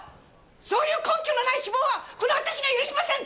そういう根拠のない誹謗はこの私が許しません！